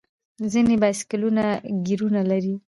ځینې بایسکلونه ګیرونه لري.